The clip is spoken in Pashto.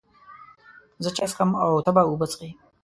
زه چای څښم او ته اوبه څښې